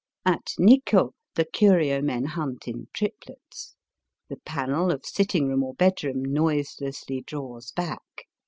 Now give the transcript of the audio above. At Mikko the curio men hunt in triplets. The panel of sitting room or bedroom noise lessly draws back.